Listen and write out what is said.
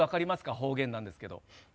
方言なんですけど。